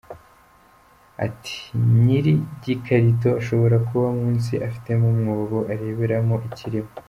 Ati “ Ny’iri gikarito ashobora kuba munsi afitemo umwobo areberamo ikirimo.